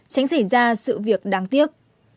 tránh xảy ra sự việc đáng tiếc